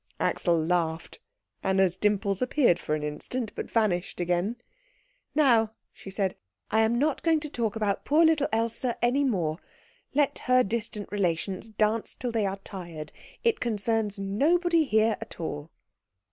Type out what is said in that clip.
Axel laughed. Anna's dimples appeared for an instant, but vanished again. "Now," she said, "I am not going to talk about poor little Else any more. Let her distant relations dance till they are tired it concerns nobody here at all."